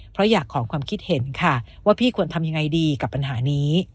เพราะอยากขอความคิดเห็นค่ะว่าพี่ควรทำยังไงดีกับปัญหานี้